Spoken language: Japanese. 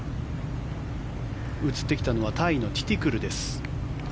映ってきたのはタイのティティクルです。